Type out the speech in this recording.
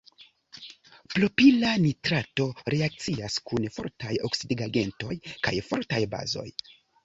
Propila nitrato reakcias kun fortaj oksidigagentoj kaj fortaj bazoj.